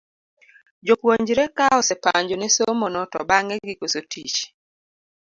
Jopuonjre ka osepanjo ne somo no to bang'e gikoso tich.